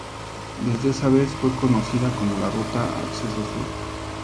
Desde esa vez fue conocida como la Ruta Acceso Sur.